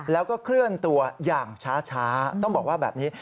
แล้วก็เคลื่อนตัวอย่างช้าต้องบอกว่าแบบนี้